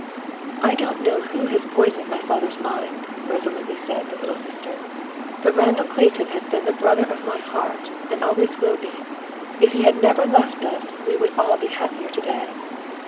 "I do not know who has poisoned my father's mind," resolutely said the Little Sister, "but Randall Clayton has been the brother of my heart, and always will be. If he had never left us we would all be happier to day."